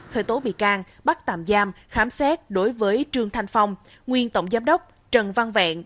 khởi tố bị can bắt tạm giam khám xét đối với trương thanh phong nguyên tổng giám đốc trần văn vẹn